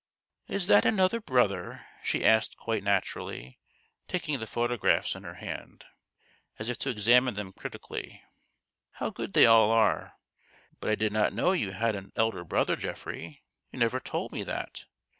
"Is that another brother?" she asked quite naturally, taking the photographs in her hand 172 THE GHOST OF THE PAST. as if to examine them critically. " How good they all are ! but I did not know you had an elder brother, Geoffrey. You never told me that.